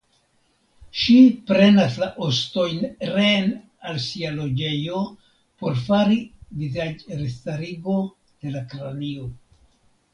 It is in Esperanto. Ŝi prenas la ostojn reen al sia loĝejo por fari vizaĝrestarigo de la kranio.